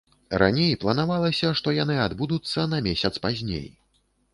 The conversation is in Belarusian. Раней планавалася, што яны адбудуцца на месяц пазней.